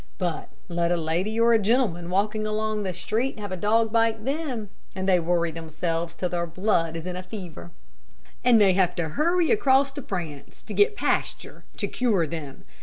But let a lady or a gentleman walking along the street have a dog bite them, and they worry themselves till their blood is in a fever, and they have to hurry across to France to get Pasteur to cure them.